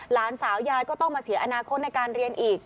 หลานสาวยายก็ต้องมาเสียอนาคตในการเรียนอีก